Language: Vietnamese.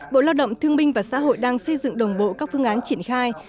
bộ lao động thương minh và xã hội đang xây dựng đồng bộ các phương án triển khai